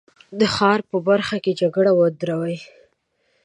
د ښار په دې برخه کې جګړه ودروي.